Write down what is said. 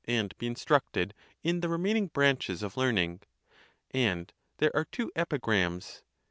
and be instructed in the remaining branches of learning. And there are two epigrams.